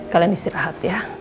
kalian istirahat ya